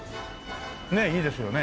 ねっいいですよね？